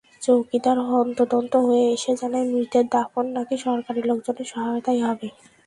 চৌকিদার হন্তদন্ত হয়ে এসে জানায়, মৃতের দাফন নাকি সরকারি লোকজনের সহায়তায় হবে।